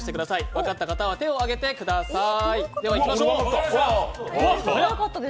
分かった方は手を挙げてくだい。